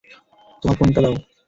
তোমার ফোনটা দাও।